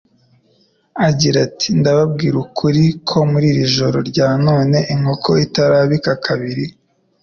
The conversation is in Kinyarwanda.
agira ati : «Ndababwira ukuri ko muri iri joro rya none, inkoko itarabika kabiri,